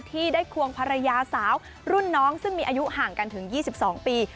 ที่ได้ควงภรรยาสาวรุ่นน้องซึ่งมีอายุห่างกันถึง๒๒ปี